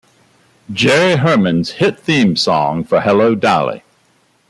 Jerry Herman's hit theme song for Hello, Dolly!